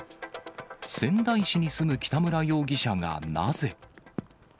仙台市に住む北村容疑者が、なぜ。